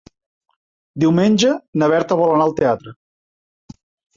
Diumenge na Berta vol anar al teatre.